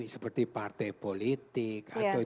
seperti partai politik atau